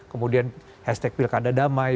kemudian hashtag pilkada damai